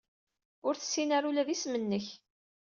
Ur tessin ara ula d isem-nnek.